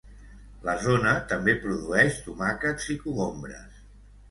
La zona també produeix tomàquets i cogombres.